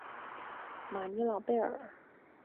马尼朗贝尔。